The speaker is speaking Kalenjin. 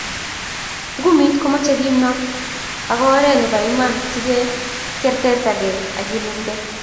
Ngumiit ko mochei kimnon ak oree ne bo iman si kertekei ak ilumde.